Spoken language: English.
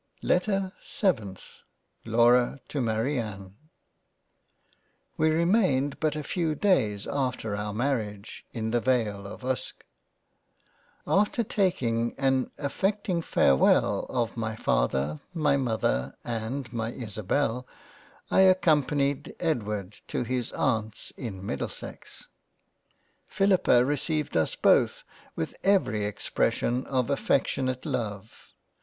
LETTER 7th LAURA to MARIANNE WE remained but a few days after our Marriage, in the Vale of Uske. After taking an affecting Farewell of my Father, my Mother and my Isabel, I accom panied' Edward to his Aunt's in Middlesex. Philippa received us both with every expression of affectionate Love.